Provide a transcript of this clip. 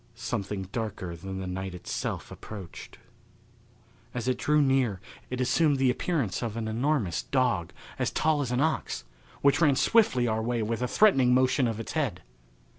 Something darker than the night itself approached. As it drew near it assumed the appearance of an enormous dog, as tall as an ox, which ran swiftly our way with a threatening motion of its head.